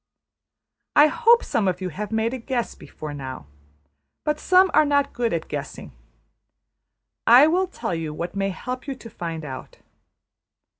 I hope some of you have made a guess before now; but some are not good at guessing. I will tell you what may help you to find out.